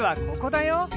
ここだよ。